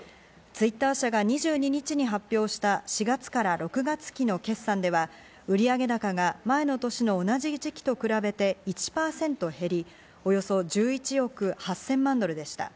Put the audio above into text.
Ｔｗｉｔｔｅｒ社は２２日に発表した４月から６月期の決算では売上高が前の年の同じ時期と比べて１％減り、およそ１１億８０００万ドルでした。